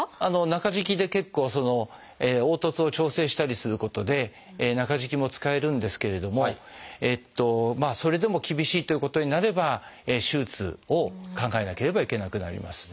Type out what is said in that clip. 中敷きで結構凹凸を調整したりすることで中敷きも使えるんですけれどもそれでも厳しいということになれば手術を考えなければいけなくなります。